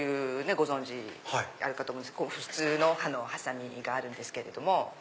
ご存じあるかと思うんですけど普通の刃のハサミがあるんですけれども。